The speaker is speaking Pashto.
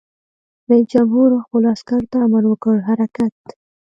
رئیس جمهور خپلو عسکرو ته امر وکړ؛ حرکت!